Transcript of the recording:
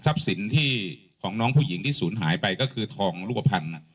ทรัพย์สินที่ของน้องผู้หญิงที่สูญหายไปก็คือทองรูปพันธ์